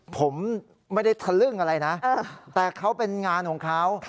ผมไม่ได้ทะลึ่งอะไรนะแต่เขาเป็นงานของเขา